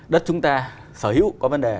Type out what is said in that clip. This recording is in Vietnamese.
đất chúng ta sở hữu có vấn đề